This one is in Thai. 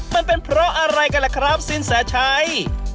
มันเป็นเพราะอะไรกันล่ะครับสินแสชัย